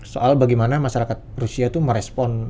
soal bagaimana masyarakat rusia itu merespon